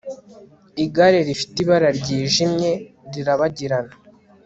igare rifite ibara ryijimye, rirabagirana